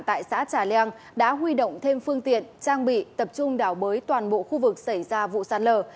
tại xã trà leang đã huy động thêm phương tiện trang bị tập trung đảo bới toàn bộ khu vực xảy ra vụ sàn lờ